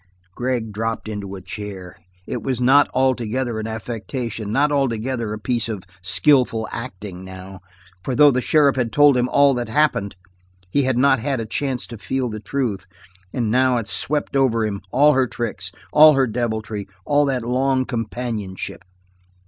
Gregg dropped into a chair. It was not altogether an affectation, not altogether a piece of skilful acting now, for though the sheriff had told him all that happened he had not had a chance to feel the truth; but now it swept over him, all her tricks, all her deviltry, all that long companionship.